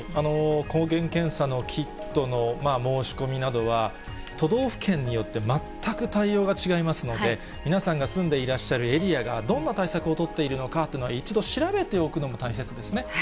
抗原検査のキットの申し込みなどは、都道府県によって全く対応が違いますので、皆さんが住んでいらっしゃるエリアがどんな対策を取っているのかっていうのは、一度調べておくのも大切ですね。